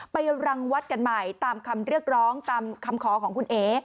รังวัดกันใหม่ตามคำเรียกร้องตามคำขอของคุณเอ๋